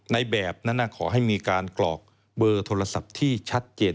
ในแบบนั้นขอให้มีการกรอกเบอร์โทรศัพท์ที่ชัดเจน